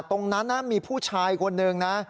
ตรงนั้นมีผู้ชายคนหนึ่งนะ